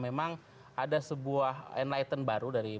memang ada sebuah enlightent baru dari